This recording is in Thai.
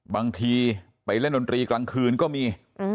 บางทีไปเล่นดนตรีกลางคืนก็มี